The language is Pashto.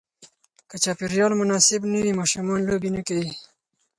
که چاپېریال مناسب نه وي، ماشومان لوبې نه کوي.